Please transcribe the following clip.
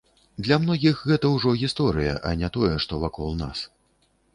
Для многіх гэта ўжо гісторыя, а не тое, што вакол нас.